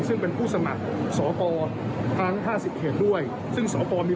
ซึ่งเป็นผู้สมัครสอปทั้งห้าสิบเขตด้วยซึ่งสปมี